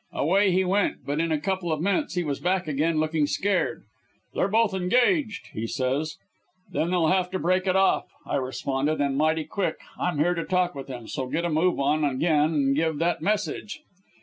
"Away he went, but in a couple of minutes was back again, looking scared, 'They're both engaged,' he says. "'Then they'll have to break it off,' I responded, 'and mighty quick. I'm here to talk with them, so get a move on you again and give that message.'